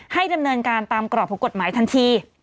ให้ดำเนินการตามกรอบของกฎหมายทันที